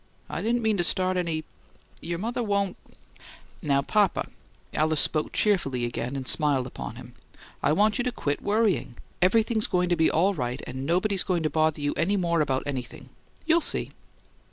I didn't mean to start any your mother won't " "Now, papa!" Alice spoke cheerfully again, and smiled upon him. "I want you to quit worrying! Everything's going to be all right and nobody's going to bother you any more about anything. You'll see!"